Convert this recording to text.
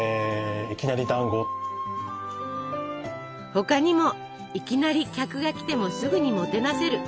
他にも「いきなり」客が来てもすぐにもてなせる。